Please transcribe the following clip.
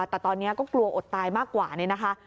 แต่ตอนนี้ก็กลัวอดตายมากกว่านี้นะคะ